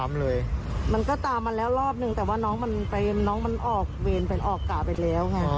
มันก็ตามมาแล้วรอบนึงแต่ว่าน้องมันไปน้องมันออกเวรเป็นออกกะไปแล้วไง